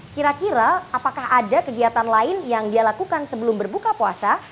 kira kira apakah ada kegiatan lain yang dia lakukan sebelum berbuka puasa